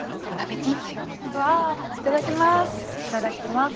わあいただきます。